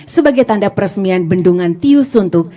sebagai tanda peresmian bendungan tiusuntuk